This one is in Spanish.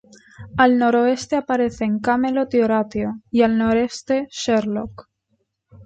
Al noroeste aparecen Camelot y Horatio, y al noreste Sherlock.